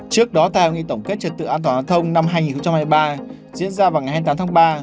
trước đó tại nghi tổng kết trật tự an toàn giao thông năm hai nghìn hai mươi ba diễn ra vào ngày hai mươi tám tháng ba